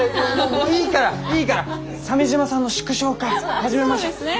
もういいからいいから鮫島さんの祝勝会始めましょう。